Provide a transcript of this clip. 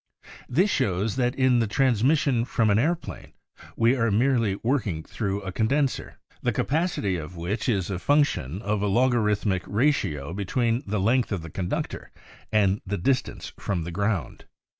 This shows that in the transmission from an airplane we are merely working thru a condenser, the capacity of which is a function of a logarithmic ratio between the length of the conductor and the distance from the ground.